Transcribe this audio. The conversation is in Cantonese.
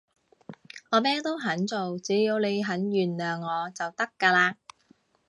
我乜都肯做，只要你肯原諒我就得㗎喇